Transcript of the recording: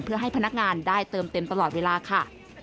เพื่อให้พนักงานได้เติมเต็มตลอดเวลาค่ะ